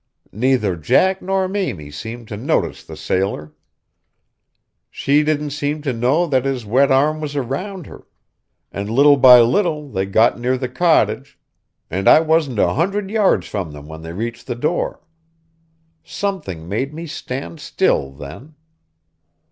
Neither Jack nor Mamie seemed to notice the sailor. She didn't seem to know that his wet arm was round her, and little by little they got near the cottage, and I wasn't a hundred yards from them when they reached the door. Something made me stand still then.